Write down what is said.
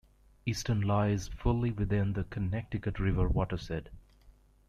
Easton lies fully within the Connecticut River watershed.